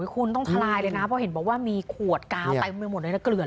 คุณต้องทะลายเลยนะเพราะเห็นบอกว่ามีขวดกาวใต้หมดเลยแล้วก็เหลือนเลยนะ